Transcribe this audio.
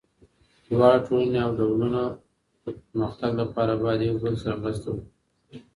دواړه ټولني او ډلونه د پرمختګ لپاره باید یو بل سره مرسته وکړي.